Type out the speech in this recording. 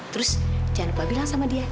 terus jangan lupa bilang sama dia